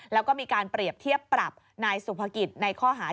แล้วก็มีการเปรียบเทียบปรับนายสุภกิจในข้อหา